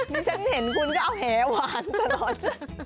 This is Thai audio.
ดิฉันเห็นคุณก็เอาแหหวานตลอด